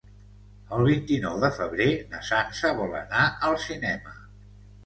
El vint-i-nou de febrer na Sança vol anar al cinema.